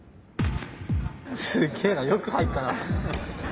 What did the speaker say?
すげえなよく入ったな。